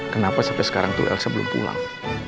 kenapa sampai sekarang tuh elsa belum pulang